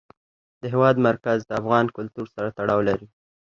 د هېواد مرکز د افغان کلتور سره تړاو لري.